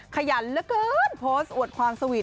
ขยันเหลือเกินโพสต์อวดความสวีท